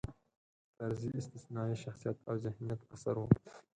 طرزی استثنايي شخصیت او ذهینت اثر و.